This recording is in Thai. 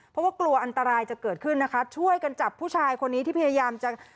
เพราะว่ากลัวอันตรายจะเกิดขึ้นนะคะช่วยกันจับผู้ชายคนนี้ที่พยายามจะ